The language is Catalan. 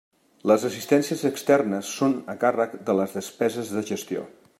Les assistències externes són a càrrec de les despeses de gestió.